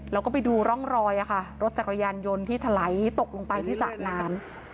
แล้วก็ไปดูร่องรอยรถจักรยานยนต์ที่ถลายตกลงไปที่สระน้ำ